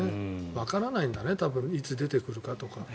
わからないんだねいつ出てくるかとか。